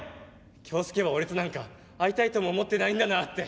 京介は俺となんか会いたいとも思ってないんだなって。